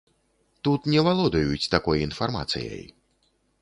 Тут не валодаюць такой інфармацыяй!